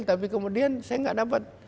tapi kemudian saya nggak dapat